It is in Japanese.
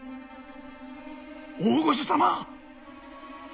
大御所様！